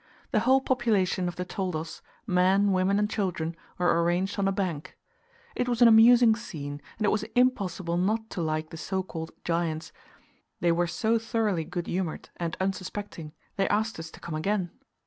The whole population of the toldos, men, women, and children, were arranged on a bank. It was an amusing scene, and it was impossible not to like the so called giants, they were so thoroughly good humoured and unsuspecting: they asked us to come again.